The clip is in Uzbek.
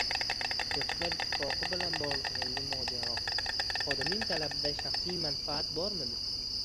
Yoshlar ittifoqi bilan bog‘liq yangi mojaro. Xodimning talabida shaxsiy manfaat bormidi?